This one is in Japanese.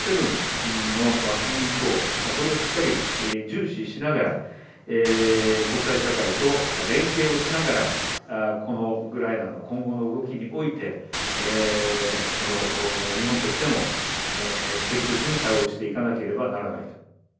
Ｇ７の枠組み等、これをしっかり重視しながら、国際社会と連携をしながら、このウクライナの今後の動きにおいて、この日本としても、適切に対応していかなければならない。